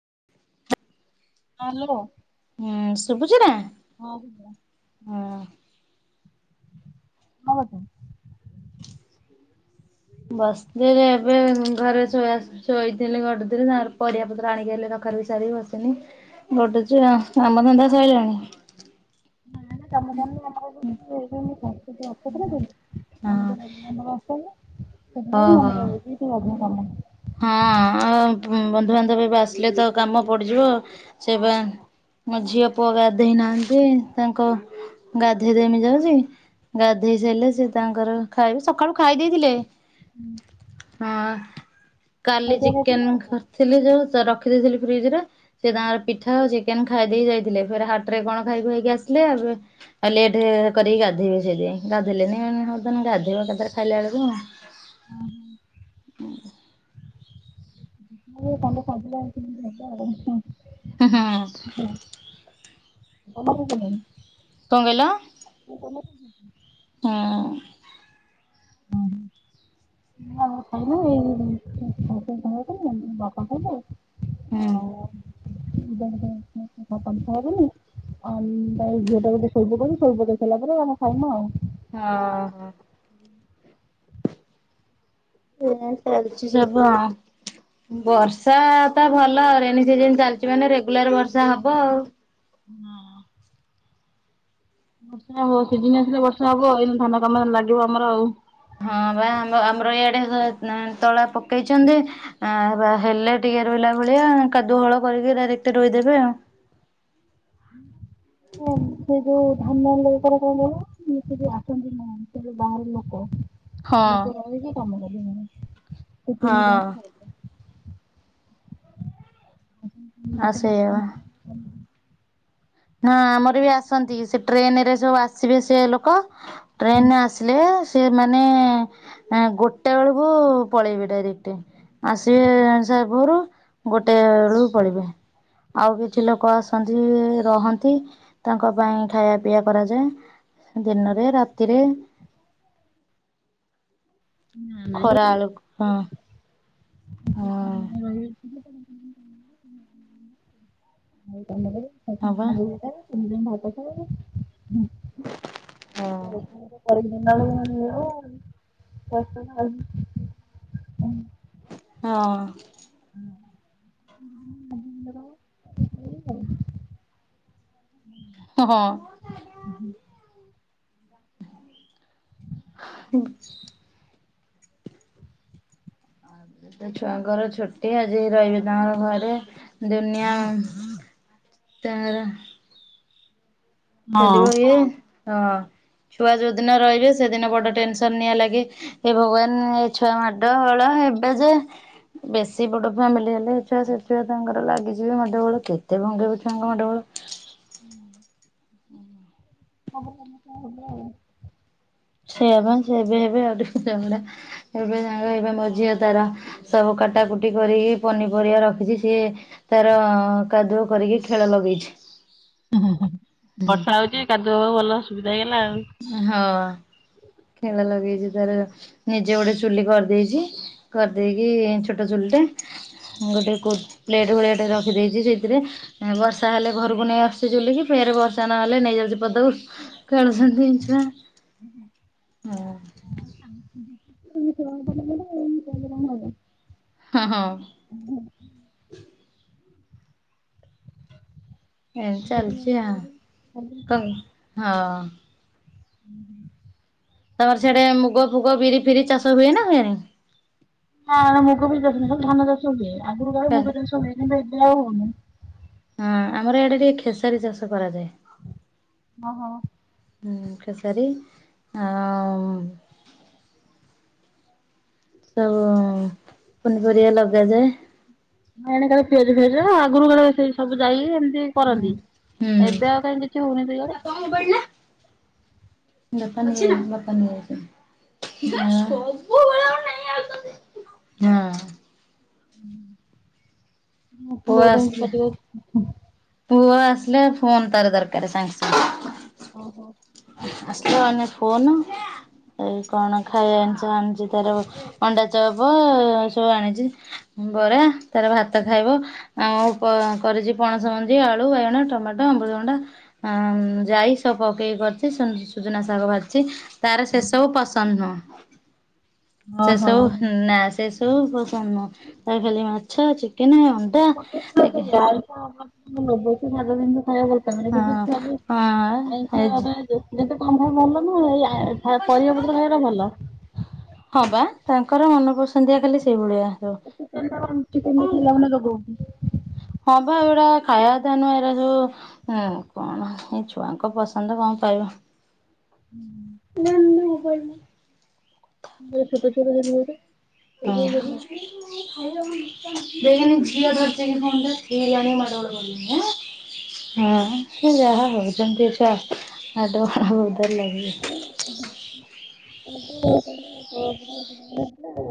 [inaudible] Hello ହୁଁ ଶୁଭୁଛି ନା ହଁ [unintelligible] ହଁ [unintelligible] ବସିଥିଲିରେ ଏବେ ଘରେ ଶୋଇଆ ଶୋଇି ଗଡୁଥିଲି। ପରିବା ପତ୍ର ଆଣିକି ଆଇଲେ ରଖା ସାରିକି ବସିଥିନି ଗୋଟେ ଛୁଆ କାମଧନ୍ଦା ସାଇଲଣି। ନା ନା କାମ ସାରିନି ଗଲା ବେଳକୁ ଟିକେ [unintelligible] ସେଟି ଅଟକି ହଁ ନଥାନ୍ତୁ। [unintelligible] ଆସଥାନ୍ତେ। କିମନର ମାନଙ୍କର ଓହୋ ବହୁତ ଅଧିକ କାମ। ହଁ ଆଉ ବନ୍ଧୁବାନ୍ଧବ ଏବେ ଆସିଲେ ତ କାମ ପଡିଯିବ ସେଇପା। ମୋ ଝିଅ ପୁଅ ଗାଧେଇ ନାହାନ୍ତି। ତାଙ୍କ ଗାଧେଇ ଦେମି ଯାଉଚି। ଗାଧେଇ ସାଇଲେ ସେ ତାଙ୍କର ଖାଇବେ ସକାଳୁ ଖାଇ ଦେଇଥିଲେ। ହୁଁ। ହଁ କାଲି ଖାଇଥିଲୁ ଚିକେନ କରିଥିଲି ଯୋଉ ରଖିଦେଇଥିଲି ଫ୍ରିଜ ରେ। ସେ ତାଙ୍କର ପିଠା ଆଉ ଚିକ କେନ ଖାଇ ଦେଇ ଯାଇଥିଲେ। ଫେରେ ହାଟ ରେ କଣ ଖାଇ ଖୁଆକି ଆସିଲେ ଏବେ। ଆଉ ଲେଟ୍ କରିକି ଗାଧେଇବେ ସେଇତି ଗାଧେଇଲେନି ମୁଁ କହିଲି ହଉ ତାହାନେ ଗାଧୋଇବ ଏକାଥରକେ ଖାଇଲା ଆଳୁକୁ ଆଉ। ହୁଁ। [unintelligible] ହୁଁ ହୁଁ। ତମେ ଖାଇସାଇଲଣି। କଣ କିହିଲ। ହଁ। [unintelligible] ହୁଁ। [unintelligible] ଆ ମୁଁ ତ ଝିଅଟା କୁ ଟିକେ ଶୋଇପକଉଛି ଶୋଇପକେଇ ସାରିଲା ପରେ ଆମେ ଖାଇମୁ ଆଉ। ହଁ ହ। ଏମତୀ ଚାଲିଛି ସବୁ ଆଉ। ବର୍ଷା ତ ଭଲ ରେନି ସିଜିନ ଚାଲିଛି ମାନେ ରେଗୁଲାର ବର୍ଷା ହବ ଆଉ। ହଁ। ବର୍ଷା ହବ ସିଜିନ ଆସିଲେ ବର୍ଷା ହବ ଏଇ ଧାନ କାମ ଲାଗିବ ଆମର ଆଉ। ହଁ ବା ଆମ ଆମର ଇଆଡ଼େ ତଳା ପକେଇଛନ୍ତି ବା ହେଲେ ଟିକେ ରୋଇଲା ଭଳିଆ କାଦୁଅ ହଳ କରିକି ଡାଇରେକ୍ଟ ରୋଇଦେବେ ଆଉ। [unintelligible] ଯୋଉ ଧାନ [unintelligible] ସେ ଯୋଉ ବାହାର ଲୋକ ହଁ। ଲୋକ ଲଗେଇକି କାମ କରିମି ସିଏ ତିନି ହଁ ଟାଇମ ଖାଇବେ। ଆ ସେଇଆ ବା। ହଁ। ହଁ ଆମର ବି ଆସନ୍ତି ସେ ଟ୍ରେନ ରେ ସବୁ ଆସିବେ ସେ ଲୋକ। ଟ୍ରେନରେ ଆସିଲେ। ସେମାନେ ଗୋଟେ ବେଳକୁ ପଳେଇବେ ଡାଇରେକ୍ଟ। ଆସିବେ ସେ ଭୋରୁ ଗୋଟେବେଳକୁ ପଳେଇବେ। ଆଉ କିଛି ଲୋକ ଆସନ୍ତି ରହନ୍ତି ତାଙ୍କ ପାଇଁ ଖାଇବା ପିଇବା କରାଯାଏ ଦିନରେ ରାତିରେ। ଖରା ଆଳକୁ ହଁ। ହଁ ଏଇନା ରହିବେ। ହଁ ବା। [unintelligible] ହଁ। [unintelligible] ହଁ। [unintelligible] ହଁ ହଁ। ହୁଁ। ଆ ଏ ଛୁଆଙ୍କର ଛୁଟି ଆଜି ରହିବେ ତାଙ୍କର ଘରେ ଦୁନିଆ ତାର ପେଲିବ ଇଏ। ଛୁଆ ଯୋଉଦିନ ରହିବେ ସେଦିନ ବଡ଼ ଟେନସନ ନିଆଁ ଲାଗି ଏ ଭଗବାନ ଏ ଛୁଆ ମାଡ ଗୋଳ ଏବେ ଯେ ବେଶୀ ବଡ଼ ଫ୍ୟାମିଲି ହେଲେ ଛୁଆ ସେତେ ତାଙ୍କର ଲାଗିଯିବି ମାଡଗୋଳ କେତେ ଭାଙ୍ଗିବୁ ଛୁଆଙ୍କ ମଡଗୋଳ। ହୁଁ। ହବ ସେମିତି ହବ ଆଉ। ସେଇଆ ପା ସେ ଏବେ ଏବେ ଅଧିକ ଚଗଲା ଏବେ ସାଙ୍ଗ ହେଇପା ମୋ ଝିଅ ତାର ସବୁ କାଟାକୁଟି କରିକି। ପନିପରିବା ରଖିଛି ସିଏ ତାର କାଦୁଅ କରିକି ଖେଳ ଲଗେଇଛି। ଵର୍ଷା ହଉଛି କାଦୁଅ ହବାକୁ ଭଲ ସୁବିଧା ହେଇ ହଁ। ଖେଳ ଲଗେଇଛି ତାର ନିଜେ ଗୋଟେ ଚୁଲି କରିଦେଇଛି ହୁଁ। କରିଦେଇକି ଛୋ ଟ ଚୁଲିଟେ ଗୋଟେ ପ୍ଲେଟ ଭଳିଆଟେ ରଖିଦେଇଛି ସେଥିରେ ବର୍ଷା ହେଲେ ଘରୁ କୁ ନେଇ ଆସୁଛି ଚୁଲିକି ଫେରେ ବର୍ଷା ନହେଲେ ନେଇଯାଉଛି ପଦାକୁ ଖେଳୁଛନ୍ତି ଛୁଆ। [unintelligible] ହଁ ହଁ। ହୁଁ। ଏମତି ଚାଲିଚି ଆଉ କଣ ହଁ। [inaudible] ତମର ସିଆଡେ ମୁଗ ଫୁଗ, ବିରି ଫିରି ଚାଷ ହୁଏ ନା ହୁଏନି? ନା ନା ମୁଗ [inaudible] ଧାନ ଚାଷ ହୁଏ ଆଗରୁ କାଳେ ମୁଗ ଚାଷ ହୁଏ କିନ୍ତୁ ଏବେଆ ହଉନି। ହୁଁ ଆମର ଏଇଡେ ଟିକେ ଖେସାରୀ ଚାଷ କରାଯାଏ। ଓ ହୋ। ହୁଁ ଖେସାରୀ ଆଉ ସବୁ ପନିପରିବା ଲଗାଯାଏ। ଏଣେ କାଳେ ପିଆଜ ଫିଆଜ ଆଗରୁ କାଳେ ସେଇ ସବୁ ଯାଇ ହୁଁ କରନ୍ତି ହୁଁ। ଏବେ ଆଉ କାହିଁ କିଛି ହଉନି ଇଆଡେ। [inaudible] ହୁଁ। ପୁଅ ଆସିଲେ [inaudible] ପୁଅ ଆସିଲେ ଫୋନ ତାର ଦରକାର ସାଙ୍ଗେ ସାଙ୍ଗେ। ଓହୋ। ଆସିଲା ମାନେ ଫୋନ। ଏଇ କଣ ଖାଇବା ଜିନିଷ ଆଣିଛି ତାର ଅଣ୍ଡା ଚପ ସବୁ ଆଣିଛି। ବରା ତାର ଭାତ ଖାଇବ ଆଉ ପ କରିିଚି ପଣସ, ମଞ୍ଜି, ଆଳୁ, ବାଇଗଣ, ଟମାଟୋ, ଅମୃତଭଣ୍ଡା‌ ଆଁ ଜାଇ ସବୁ ପକେଇକି କରି ଚି ସୁନ୍ ସୁଜନା ଶାଗ ଭାଜିଛି ତାର ସେ ସବୁ ପସନ୍ଦ ନୁହଁ। ଓହୋ। ସେସବୁ ନା ସେସବୁ ପସନ୍ଦ ନୁହଁ ତା ଖାଲି ମାଛ, ଚିକେନ ଅ [inaudible] ଖାଇବାକୁ ଭଲ ପାଆନ୍ତିନି [inaudible] ଆଇଁଷ ବାବା [inaudible] କଣ ଖାଇବା ହଁ ଭଲ ହଁ ନ ଏଇ ଆ‌ ପରିବା ପତ୍ର ଖାଇବା ଟା ଭଲ। ହଁ ପା ତାଙ୍କର ମନପସନ୍ଦିଆ ଖାଲି ସେଇଭଳିଆ। ଚିକେନ ଟା କଣ ଚିକେନ ଟା ଖାଇଲା ମାନେ ରୋଗ ହଉଛି। ହଁ ପା ଏଉରା ଖାଇବା ତା ନୁହେଁ ଏରା ଯୋଉ ଉମ୍ କଣ ଏଇ ଛୁଆଙ୍କ ପସନ୍ଦ କଣ [inaudible] ଛୋଟ ଛୋଟ [inaudible] [inaudible] [inaudible] ହଁ ସେ ଯାହା ହଉଛନ୍ତି ଏଇ ଛୁଆ ମାଡଗୋଳ ହଉ [inaudible] [unintelligible]